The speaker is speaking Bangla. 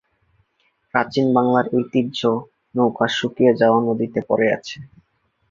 প্রাচীন বাংলার ঐতিহ্য নৌকা শুকিয়ে যাওয়া নদীতে পড়ে আছে।